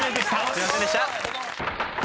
すいませんでした！